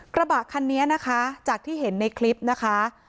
กระบะคันนี้นะคะจากที่เห็นในคลิปนะคะ